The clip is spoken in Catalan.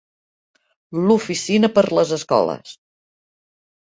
La oficina per les escoles.